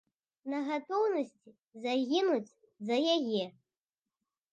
На гатоўнасці загінуць за яе.